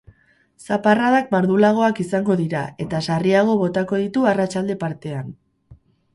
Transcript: Zaparradak mardulagoak izango dira eta sarriago botako ditu arratsalde partean.